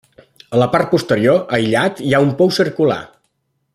A la part posterior, aïllat, hi ha un pou circular.